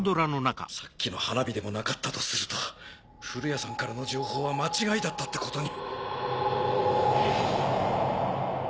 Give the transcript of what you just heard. さっきの花火でもなかったとすると降谷さんからの情報は間違いだったってことに。